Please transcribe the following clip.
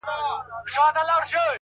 پاس توتكۍ راپسي مه ږغـوه”